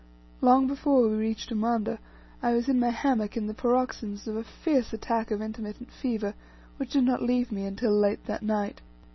Long before we reached Umanda, I was in my hammock in the paroxysms of a fierce attack of intermittent fever, which did not leave me until late that night.